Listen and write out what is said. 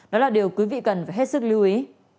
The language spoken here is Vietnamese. đó là điều quý vị cần phải hết sức lưu ý